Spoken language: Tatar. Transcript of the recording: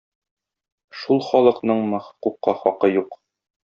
Шул халыкныңмы хокукка хакы юк?